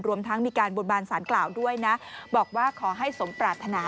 รวมทั้งมีการบนบานสารกล่าวด้วยนะบอกว่าขอให้สมปรารถนา